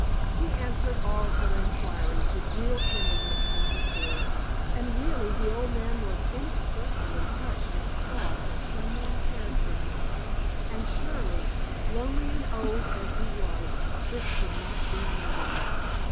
He answered all her inquiries with real tenderness in his voice, and really the old man was inexpressively touched at the thought that some one cared for him, and surely, lonely and old as he was, this could not be wondered at.